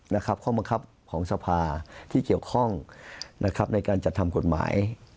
ข้อบังคับของสภาที่เกี่ยวข้องนะครับในการจัดทำกฎหมาย